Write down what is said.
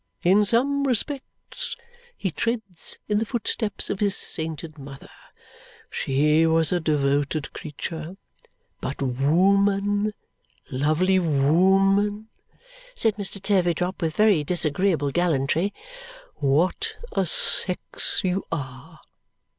In some respects, he treads in the footsteps of his sainted mother. She was a devoted creature. But wooman, lovely wooman," said Mr. Turveydrop with very disagreeable gallantry, "what a sex you are!"